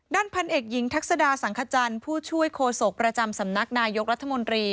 พันเอกหญิงทักษดาสังขจันทร์ผู้ช่วยโคศกประจำสำนักนายกรัฐมนตรี